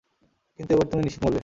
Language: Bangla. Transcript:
কিন্তু এবার তুমি নিশ্চিত মরবে।